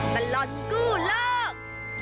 มันรอดกู้เลิก